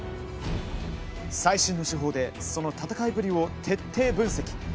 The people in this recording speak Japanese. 最新の手法で、その戦いぶりを徹底分析。